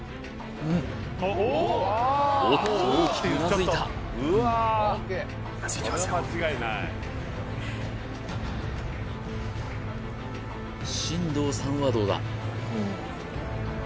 おっと大きくうなずいた進藤さんはどうだ？